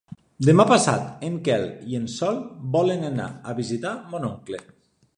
Demà passat en Quel i en Sol volen anar a visitar mon oncle.